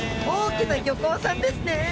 大きな漁港さんですね。